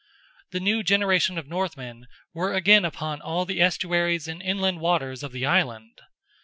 The new generation of Northmen were again upon all the estuaries and inland waters of the Island.